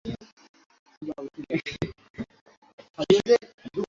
কিছুদিনের মধ্যে কাজ শুরু করা যাবে, এমন আভাস দিয়েছে সিটি করপোরেশন।